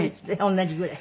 同じぐらい？